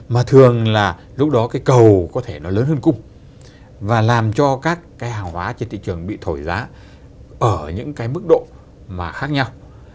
mà thường là lúc đó cái cầu có thể nó lớn hơn cung và làm cho các cái hàng hóa trên thị trường bị thổi giá ở những cái mức độ mà khác nhau